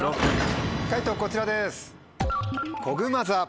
解答こちらです。